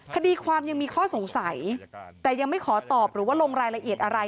คดีความยังมีข้อสงสัยแต่ยังไม่ขอตอบหรือว่าลงรายละเอียดอะไร